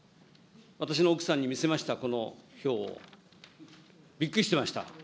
私の奥さんに見せました、この表を。びっくりしてました。